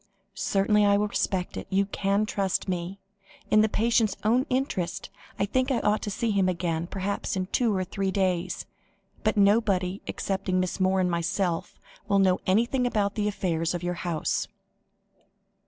"Certainly I will respect it; you can trust me. In the patient's own interest, I think I ought to see him again, perhaps in two or three days; but nobody excepting Miss Moore and myself will know anything about the affairs of your house."